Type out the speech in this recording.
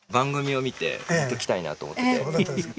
そうだったんですか。